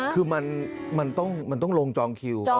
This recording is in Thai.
คือมันต้องลงจองคิว